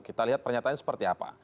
kita lihat pernyataan seperti apa